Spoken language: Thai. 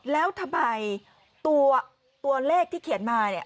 แล้วทำไมตัวเลขที่เขียนมาเนี่ย